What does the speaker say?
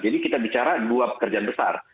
jadi kita bicara dua pekerjaan besar